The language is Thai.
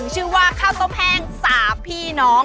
ชื่อว่าข้าวต้มแห้ง๓พี่น้อง